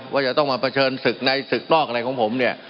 ว่าจะต้องมาเผชิญศึกในศึกนอกอะไรของผมเนี่ย